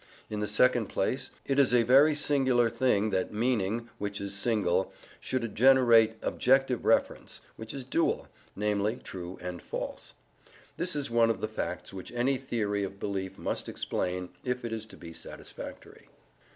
In the second place, it is a very singular thing that meaning, which is single, should generate objective reference, which is dual, namely true and false. This is one of the facts which any theory of belief must explain if it is to be satisfactory.